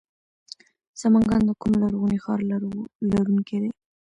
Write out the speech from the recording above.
سمنګان د کوم لرغوني ښار لرونکی دی؟